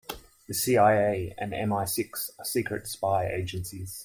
The CIA and MI-Six are secret spy agencies.